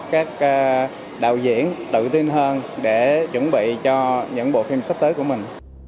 các đạo diễn tự tin hơn để chuẩn bị cho những bộ phim sắp tới của mình